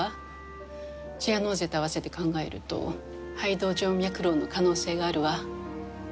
チアノーゼとあわせて考えると肺動静脈瘻の可能性があるわ。